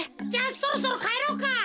じゃあそろそろかえろうか。